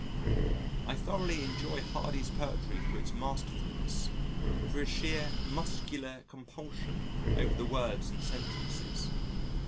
I thoroughly enjoy Hardy's poetry for its masterfulness, for his sheer muscular compulsion over the words and sentences.